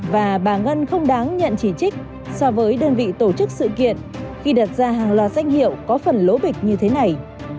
và bà ngân không đáng nhận chỉ trích so với đơn vị tổ chức sự kiện khi đặt ra hàng loạt danh hiệu có phần lỗ bịch như thế này